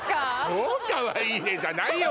「超かわいいね」じゃないよ